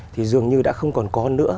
thì dường như đã không còn có nữa